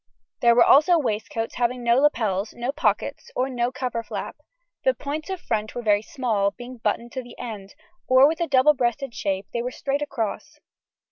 There were also waistcoats having no lapels, no pockets, or no cover flap; the points of front were very small, being buttoned to the end, or, with the double breasted shape, they were straight across.